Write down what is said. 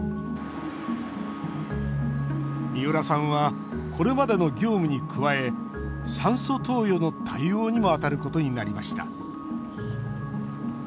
三浦さんはこれまでの業務に加え酸素投与の対応にも当たることになりました。